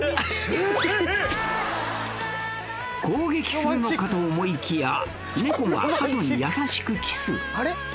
攻撃するのかと思いきや猫がハトに優しくキスあれ？